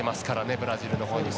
ブラジルのほうにも。